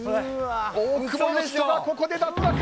大久保さんが、ここで脱落。